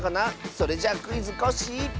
それじゃ「クイズ！コッシー」。